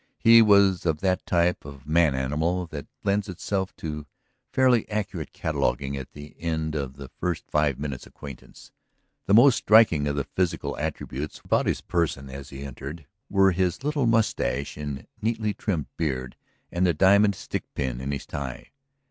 He was of that type of man animal that lends itself to fairly accurate cataloguing at the end of the first five minutes' acquaintance. The most striking of the physical attributes about his person as he entered were his little mustache and neatly trimmed beard and the diamond stick pin in his tie.